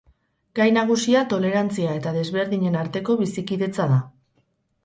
Gai nagusia tolerantzia eta desberdinen arteko bizikidetza da.